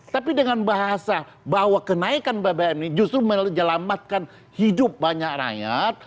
tapi dengan bahasa bahwa kenaikan bbm ini justru menyelamatkan hidup banyak rakyat